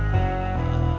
jangan lupa bang eri